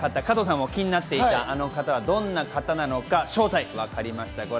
加藤さんも気になっていたあの方はどんな方なのか、正体がわかりました。